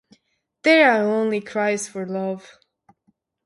There are only cries for love.